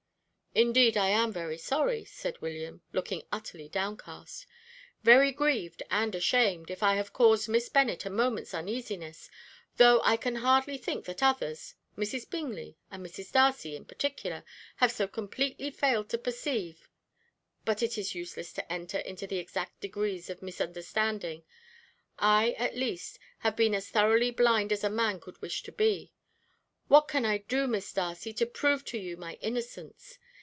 "Indeed, I am very sorry," said William, looking utterly downcast, "very grieved and ashamed, if I have caused Miss Bennet a moment's uneasiness, though I can hardly think that others, Mrs. Bingley and Mrs. Darcy, in particular, have so completely failed to perceive but it is useless to enter into the exact degrees of misunderstanding. I, at least, have been as thoroughly blind as a man could wish to be. What can I do, Miss Darcy, to prove to you my innocence?